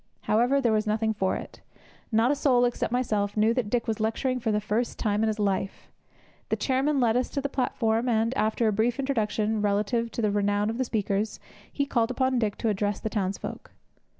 However, there was nothing for it. Not a soul, except myself, knew that Dick was lecturing for the first time in his life; the chairman led us to the platform; and, after a brief introduction relative to the renown of the speakers, he called upon Dick to address the townsfolk.